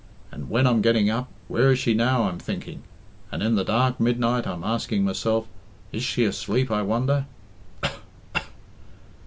And when I'm getting up, 'Where is she now?' I'm thinking. And in the dark midnight I'm asking myself, 'Is she asleep, I wonder?'